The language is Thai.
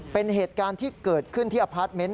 เป็นเหตุการณ์ที่เกิดขึ้นที่อพาร์ทเมนต์